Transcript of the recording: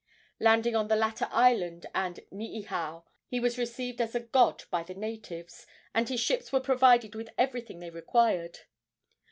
Landing on the latter island and Niihau, he was received as a god by the natives, and his ships were provided with everything they required.